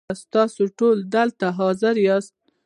ستاسو ټول دلته حاضر یاست .